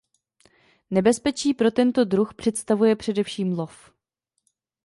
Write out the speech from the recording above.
Nebezpečí pro tento druh představuje především lov.